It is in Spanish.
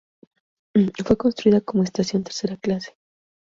Fue construida como estación tercera clase.